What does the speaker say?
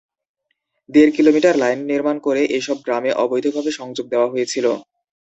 দেড় kilometre line নির্মাণ করে এসব গ্রামে অবৈধভাবে সংযোগ দেওয়া হয়েছিল।